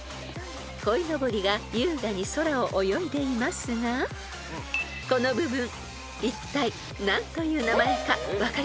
［こいのぼりが優雅に空を泳いでいますがこの部分いったい何という名前か分かりますか？］